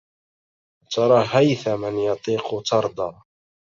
أترى هيثما يطيق ترضى